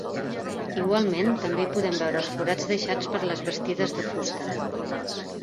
Igualment, també hi podem veure els forats deixats per les bastides de fusta.